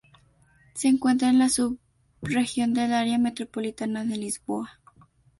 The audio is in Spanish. Se encuentra en la subregión del Área Metropolitana de Lisboa.